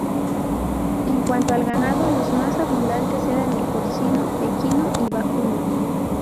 En cuanto al ganado, los más abundantes eran el porcino, equino y vacuno.